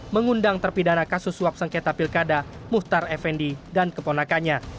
mengundang terpidana kasus suap sengketa pilkada muhtar effendi dan keponakannya